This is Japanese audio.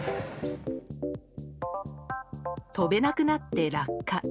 飛べなくなって落下。